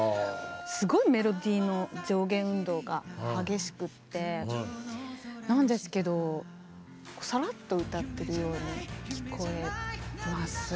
すごいメロディーの上下運動が激しくてなんですけどさらっと歌ってるように聞こえます。